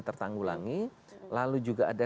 tertanggulangi lalu juga ada